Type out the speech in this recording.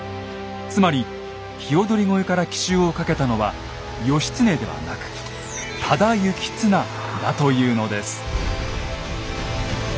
つまり鵯越から奇襲をかけたのは義経ではなく多田行綱だというのです。